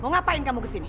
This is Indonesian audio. mau ngapain kamu kesini